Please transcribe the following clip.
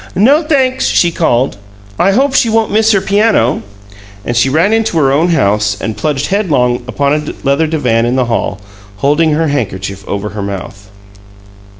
"No, thanks," she called. "I hope she won't miss her piano!" And she ran into her own house and plunged headlong upon a leather divan in the hall, holding her handkerchief over her mouth.